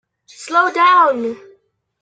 Slow down!